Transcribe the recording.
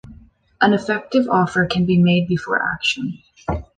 An effective offer can be made before action.